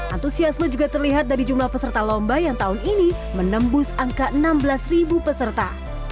antusiasme juga terlihat dari jumlah peserta lomba yang tahun ini menembus angka enam belas peserta